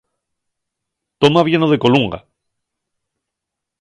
To ma vieno de Colunga.